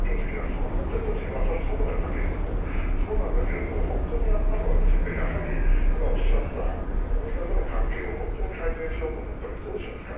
それはそうなんだけども本当にやったのはやはり今おっしゃったアメリカとの関係を本当に改善しようと思ったらどうしますか？